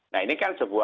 nah ini kan